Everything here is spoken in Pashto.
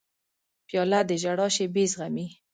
پیاله د ژړا شېبې زغمي.